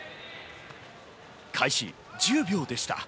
開始１０秒でした。